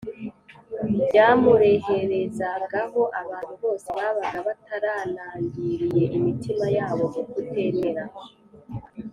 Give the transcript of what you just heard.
byamureherezagaho abantu bose babaga bataranangiriye imitima yabo mu kutemera